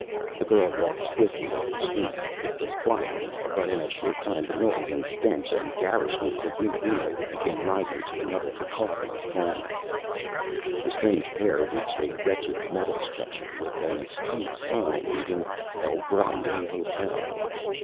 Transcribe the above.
The girl walked swiftly up the street. It was quieter now, but in a short time the noise and stench and garishness of New Reno would begin rising to another cacophonous climax. The strange pair reached a wretched metal structure with an askew sign reading, "El Grande Hotel."